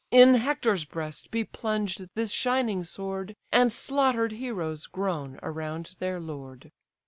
In Hector's breast be plunged this shining sword, And slaughter'd heroes groan around their lord!"